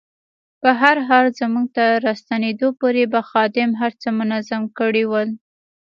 په هر حال زموږ تر راستنېدا پورې به خادم هر څه منظم کړي ول.